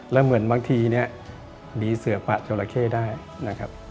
และเหมือนบางทีนี้นีเสือผักโยระเข้ได้นะครับ